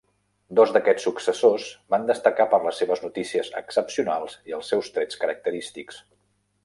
Dos d'aquests successors van destacar per les seves notícies excepcionals i els seus trets característics.